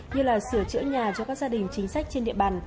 như là sửa chữa nhà cho các gia đình chính sách trên địa bàn